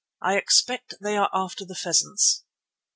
I expect they are after the pheasants."